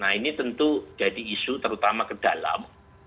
nah ini tentu jadi isu terutama ke dalam